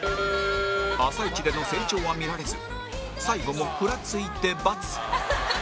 『あさイチ』での成長は見られず最後もふらついて×